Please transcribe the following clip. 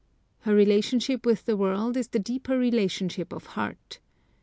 Her relationship with the world is the deeper relationship of heart.